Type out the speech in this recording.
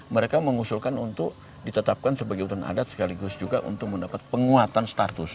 mereka mengusulkan untuk ditetapkan sebagai hutan adat sekaligus juga untuk mendapat penguatan status